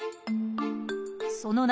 その夏